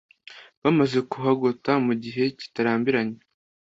Bamaze kuhagota mu gihe kitarambiranye